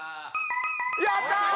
やったー！